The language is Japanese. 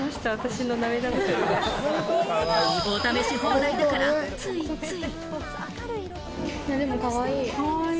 お試しし放題だから、ついつい。